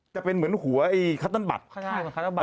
จะเป็นเหมือนหัวไอ้คัตเติ้ลบัตร